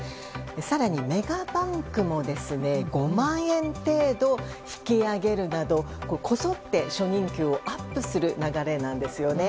更にメガバンクも５万円程度引き上げるなどこぞって初任給をアップする流れなんですよね。